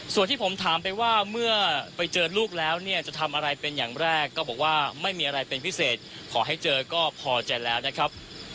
ส่วนที่ผมถามไปว่าเมื่อไปเจอลูกแล้วเนี่ยจะทำอะไรเป็นอย่างแรกก็บอกว่าไม่มีอะไรเป็นพิเศษขอให้เจอก็พอใจแล้วนะครับ